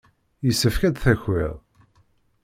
Yessefk ad d-takiḍ.